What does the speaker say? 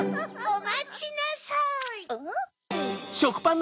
・おまちなさい！